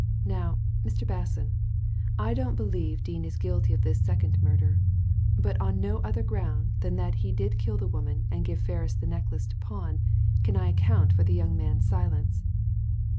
Now, Mr. Basson, I don't believe Dean is guilty of this second murder ; but on no other ground than that he did kill the woman, and gave Ferris the necklace to pawn, can I account for the young man's silence."